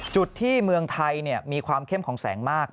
จุดที่เมืองไทยมีความเข้มของแสงมาก